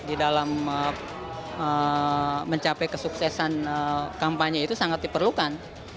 di dalam mencapai kesuksesan kampanye itu sangat diperlukan